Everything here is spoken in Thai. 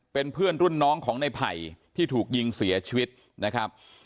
เป็นเพื่อนรุ่นน้องของในไผ่ที่ถูกยิงเสียชีวิตนะครับ